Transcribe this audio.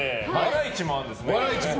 市もあるんですね。